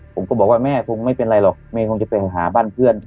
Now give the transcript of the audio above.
ผมก็บอกว่าแม่คงไม่เป็นไรหรอกแม่คงจะไปหาบ้านเพื่อน